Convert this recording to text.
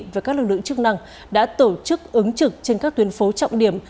và các lực lượng chức năng đã tổ chức ứng trực trên các tuyến phố trọng điểm